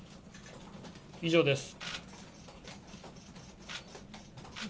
以上です。